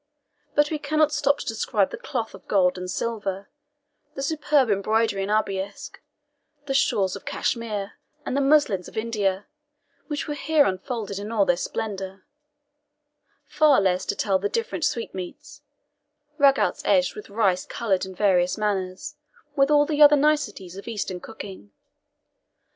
But we cannot stop to describe the cloth of gold and silver the superb embroidery in arabesque the shawls of Kashmere and the muslins of India, which were here unfolded in all their splendour; far less to tell the different sweetmeats, ragouts edged with rice coloured in various manners, with all the other niceties of Eastern cookery.